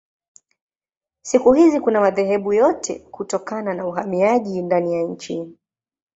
Siku hizi kuna madhehebu yote kutokana na uhamiaji ndani ya nchi.